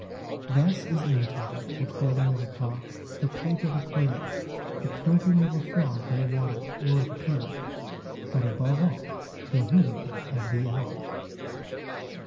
i Thus is imitated the crowing of a cock, the pipe of the quail, ih COMMUNICATION IN PRISON 345 croaking of a frog near water, or of a toad, but above all the hooting of the owl.